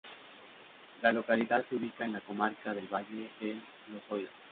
La localidad se ubica en la comarca del Valle del Lozoya.